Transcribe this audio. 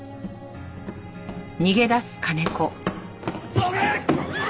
どけ！